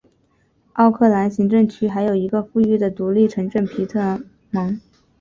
奥克兰行政区内还有一个富裕的独立城镇皮蒙特。